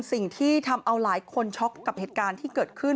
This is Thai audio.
สิ่งที่ทำเอาหลายคนช็อกกับเหตุการณ์ที่เกิดขึ้น